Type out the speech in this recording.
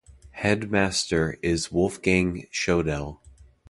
Headmaster is Wolfgang Schoedel.